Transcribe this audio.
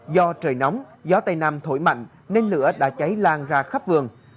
do trời nóng gió tây nam thổi mạnh nên lửa đã cháy lan ra khắp vườn